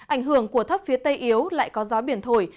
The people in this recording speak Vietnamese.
ảnh hưởng của thấp phía tây yếu lại có gió biển thổi